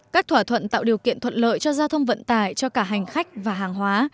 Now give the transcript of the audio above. các thỏa thuận tạo điều kiện thuận lợi cho giao thông vận tải cho cả hành khách và hàng hóa